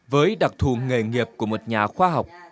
với đặc thù nghề nghiệp của một nhà khoa học